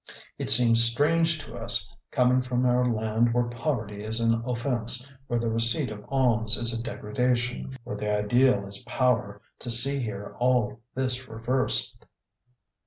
It seems strange to us, coming from our land where poverty is an offence, where the receipt of alms is a degradation, where the ideal is power, to see here all this reversed.